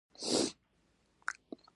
د میدان وردګو په جلریز کې د مرمرو نښې شته.